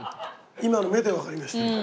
今の目でわかりましたね。